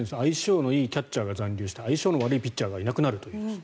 相性のいいキャッチャーが残留して相性の悪いピッチャーがいなくなるという。